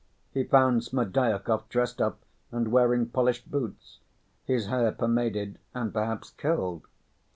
He found Smerdyakov dressed up and wearing polished boots, his hair pomaded, and perhaps curled.